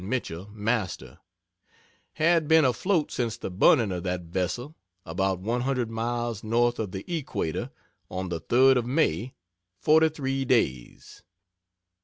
Mitchell, master had been afloat since the burning of that vessel, about one hundred miles north of the equator, on the third of May forty three days.